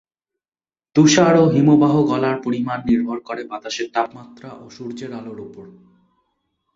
তুষার ও হিমবাহ গলার পরিমাণ নির্ভর করে বাতাসের তাপমাত্রা ও সূর্যের আলোর উপর।